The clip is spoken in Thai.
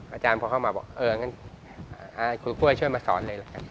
อาจารย์พอเข้ามาบอกเอองั้นครูกล้วยช่วยมาสอนเลยละกัน